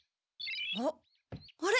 あっあれ？